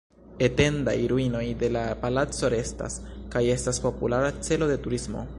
Etendaj ruinoj de la palaco restas, kaj estas populara celo de turismo.